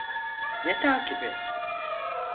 Ne takibi?